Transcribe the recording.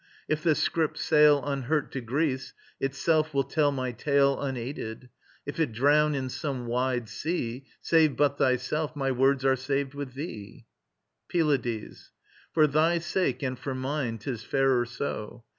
If the scrip sail Unhurt to Greece, itself will tell my tale Unaided: if it drown in some wide sea, Save but thyself, my words are saved with thee. PYLADES. For thy sake and for mine 'tis fairer so.